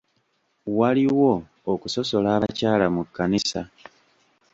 Waliwo okusosola abakyala mu kkanisa.